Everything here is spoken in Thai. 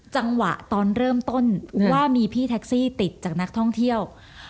จังหวะตอนเริ่มต้นว่ามีพี่แท็กซี่ติดจากนักท่องเที่ยว